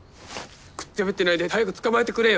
くっちゃべってないで早く捕まえてくれよ。